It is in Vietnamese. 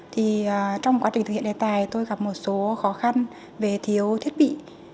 thì trong quá trình thực hiện đề tài tôi gặp một số khó khăn về thiếu thiết bị